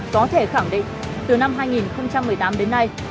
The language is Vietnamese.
có thể khẳng định từ năm hai nghìn một mươi tám đến nay